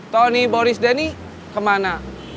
tony boris denny kemana